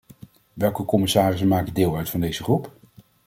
Welke commissarissen maken deel uit van deze groep?